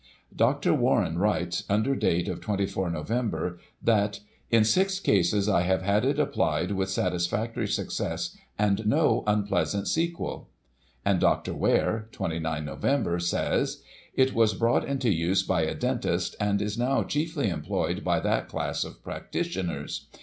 Dr. Warren writes, under date of 24 Nov., that "In six cases, I have had it applied with satisfactory success, and no unpleasant sequel. And Dr. Ware (29 Nov.) says :" It was brought into use by a dentist, and is, now, chiefly employed by that class of practitioners.